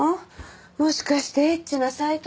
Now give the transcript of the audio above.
もしかしてエッチなサイト。